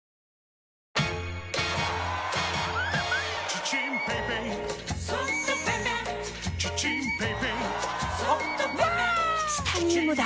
チタニウムだ！